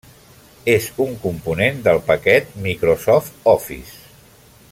És un component del paquet Microsoft Office.